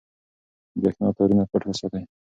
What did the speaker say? برېښنا تارونه پټ وساتئ.